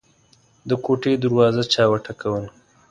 د کوټې دروازه چا وټکوله.